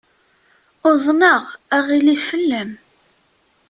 Uḍneɣ aɣilif fell-am.